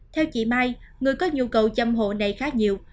theo chị mai người có nhu cầu chăm hộ này khá nhiều